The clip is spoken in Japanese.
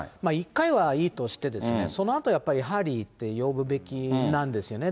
１回はいいとして、やっぱりハリーって呼ぶべきなんですよね。